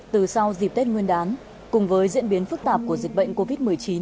từ sau dịp tết nguyên đán cùng với diễn biến phức tạp của dịch bệnh covid một mươi chín